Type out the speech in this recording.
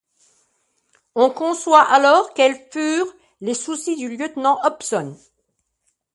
On conçoit alors quels furent les soucis du lieutenant Hobson.